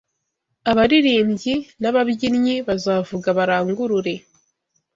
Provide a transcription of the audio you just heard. Abaririmbyi n’ababyinnyi bazavuga barangurure